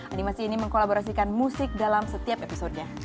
animasi ini mengkolaborasikan musik dalam setiap episodenya